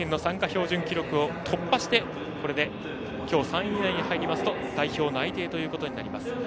標準記録を突破してこれで、きょう３位以内に入ると代表内定ということになります。